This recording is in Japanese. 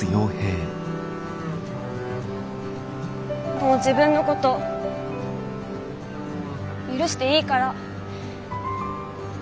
もう自分のこと許していいから。